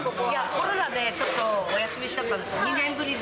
コロナでちょっとお休みしてたんですけど、２年ぶりで。